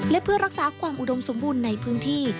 และเพื่อรักษาความอุดมสมบูรณ์ในพื้นที่